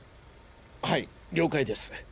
はい了解です。